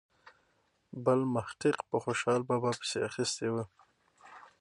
بل محقق په خوشال بابا پسې اخیستې وي.